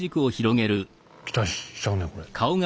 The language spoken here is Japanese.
期待しちゃうねこれ。